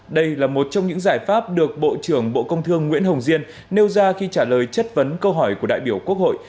đây là một trong những giải pháp được bộ trưởng bộ công thương nguyễn hồng diên nêu ra khi trả lời chất vấn câu hỏi của đại biểu quốc hội